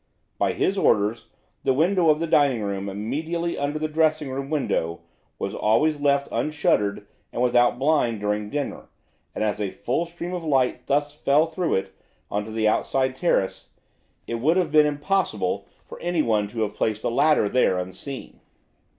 By his orders the window of the dining room immediately under the dressing room window was always left unshuttered and without blind during dinner, and as a full stream of light thus fell through it on to the outside terrace, it would have been impossible for anyone to have placed a ladder there unseen."